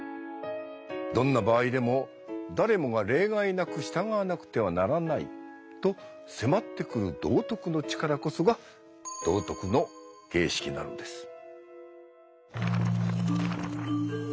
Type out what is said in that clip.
どんな場合でも「誰もが例外なく従わなくてはならない」と迫ってくる道徳の力こそが「道徳の形式」なのです。